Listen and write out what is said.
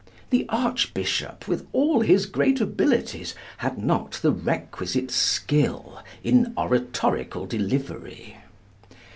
The Archbishop, with all his great abilities, had not the requisite skill in oratorical delivery.